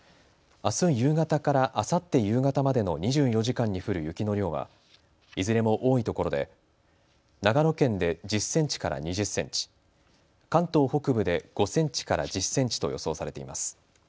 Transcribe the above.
あす夕方からあさって夕方までの２４時間に降る雪の量はいずれも多いところで長野県で１０センチから２０センチ、関東北部で５センチから１０センチと予想されています。